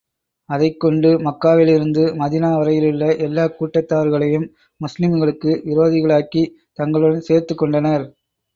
அதைக் கொண்டு மக்காவிலிருந்து, மதீனா வரையிலுள்ள எல்லாக் கூட்டாத்தார்களையும் முஸ்லிம்களுக்கு விரோதிகளாக்கித் தங்களுடன் சேர்த்துக் கொண்டனர்.